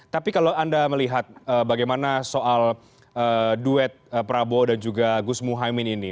tapi kalau anda melihat bagaimana soal duet prabowo dan juga gus muhaymin ini